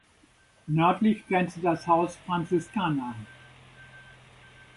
Nördlich grenzte das Haus Franziskaner an.